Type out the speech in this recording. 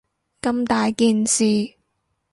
咁大件事